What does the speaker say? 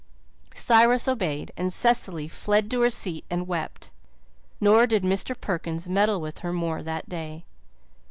Cyrus obeyed and Cecily fled to her seat and wept, nor did Mr. Perkins meddle with her more that day.